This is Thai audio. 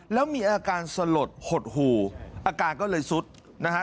แล้วมีอาการสลดหดหู่อาการก็เลยสุดนะฮะ